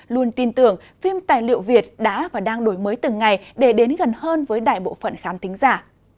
luôn tin tưởng phim tài liệu việt đã và đang đổi mới từng ngày để đến gần hơn với đại bộ phận khám tính giả